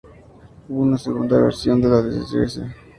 Hubo una segunda versión, la de Dresde.